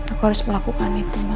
aku harus melakukan itu